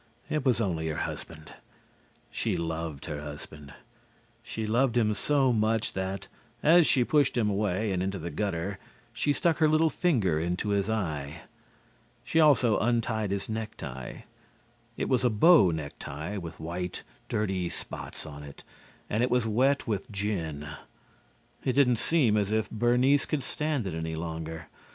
It was only her husband. She loved her husband. She loved him so much that, as she pushed him away and into the gutter, she stuck her little finger into his eye. She also untied his neck tie. It was a bow neck tie, with white, dirty spots on it and it was wet with gin. It didn't seem as if Bernice could stand it any longer.